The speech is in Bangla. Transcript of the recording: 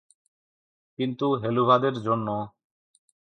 কিন্তু, হেলুভাদের জন্য!